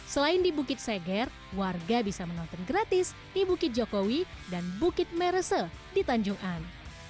selain di bukit seger warga bisa menonton gratis di bukit jokowi dan bukit merese di tanjung an